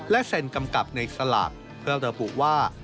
และเซ็นกำกับในสลากเพื่อระบุว่า